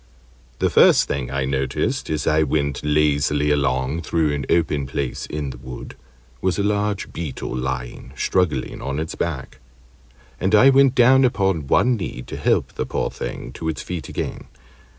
The first thing I noticed, as I went lazily along through an open place in the wood, was a large Beetle lying struggling on its back, and I went down upon one knee to help the poor thing to its feet again.